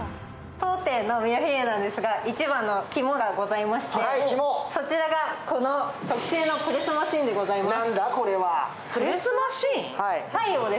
当店のミルフィーユなんですが、一番の肝がございまして、そちらがこの特製のプレスマシンでございます。